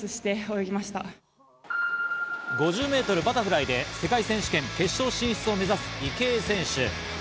５０ｍバタフライで世界選手権、決勝進出を目指す池江選手。